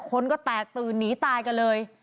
คนก็แตกตื่นหนีตายกันเลย